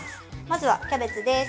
まずはキャベツです。